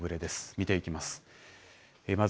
見ていきます。